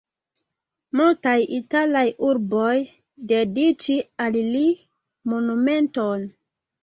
Multaj italaj urboj dediĉi al li monumenton.